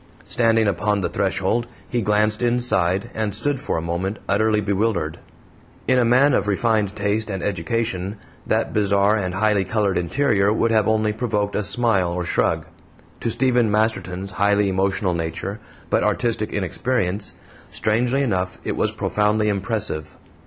Standing upon the threshold, he glanced inside, and stood for a moment utterly bewildered. In a man of refined taste and education that bizarre and highly colored interior would have only provoked a smile or shrug; to Stephen Masterton's highly emotional nature, but artistic inexperience, strangely enough it was profoundly impressive.